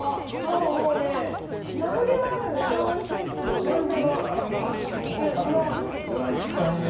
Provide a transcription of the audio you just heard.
うわいきたいね。